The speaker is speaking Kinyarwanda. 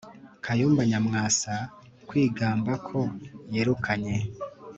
kayumba nyamwasa kwigamba ko yirukanye